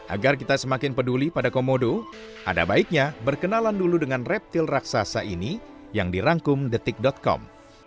agar kita semakin peduli pada komodo ada baiknya berkenalan dulu dengan reptil raksasa ini yang dirangkum detik com